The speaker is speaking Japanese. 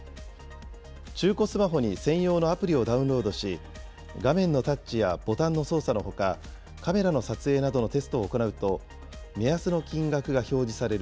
中古スマホに専用のアプリをダウンロードし、画面のタッチやボタンの操作のほか、カメラの撮影などのテストを行うと、目安の金額が表示される